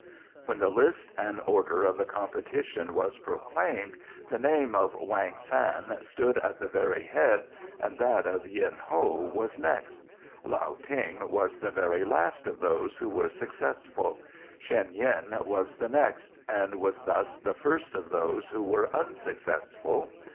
When the list and order of the competition was proclaimed, the name of Wang san stood at the very head and that of Yin Ho was next. Lao Ting was the very last of those who were successful; Sheng yin was the next, and was thus the first of those who were unsuccessful.